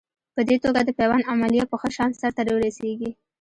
په دې توګه د پیوند عملیه په ښه شان سر ته ورسېږي.